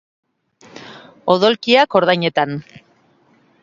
Odolkiak ordainetan.